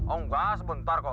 oh enggak sebentar kok